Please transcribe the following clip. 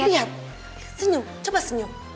lihat senyum coba senyum